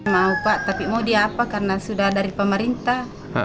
mau pak tapi mau dia apa karena sudah dari pemerintah